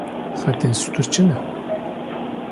Xetên stûr çi ne?